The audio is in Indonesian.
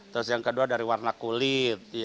terus yang kedua dari warna kulit